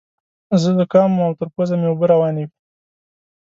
زه ذکام وم او تر پوزې مې اوبه روانې وې.